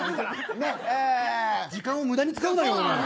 時間を無駄に使うなよ。